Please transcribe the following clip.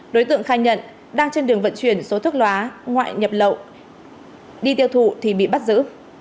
đối tượng khai nhận đang trên đường vận chuyển số thuốc lá ngoại nhập lậu đi tiêu thụ thì bị bắt giữ